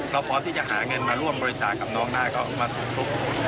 พร้อมที่จะหาเงินมาร่วมบริจาคกับน้องได้ก็มาสู่ทุกข์